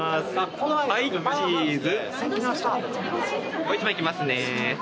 もう一枚いきますね。